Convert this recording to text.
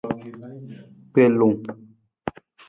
Gbelung.